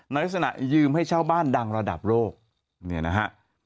ลักษณะยืมให้เช่าบ้านดังระดับโลกเนี่ยนะฮะ